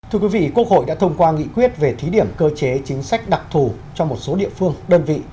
thưa quý vị quốc hội đã thông qua nghị quyết về thí điểm cơ chế chính sách đặc thù cho một số địa phương đơn vị